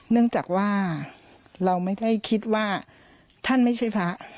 เนื่องจากว่าเราไม่ได้คิดว่าท่านไม่ใช่พระ